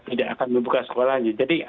tidak akan membuka sekolahnya jadi